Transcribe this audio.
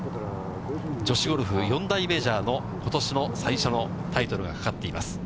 女子ゴルフ４大メジャーのことしの最初のタイトルがかかっています。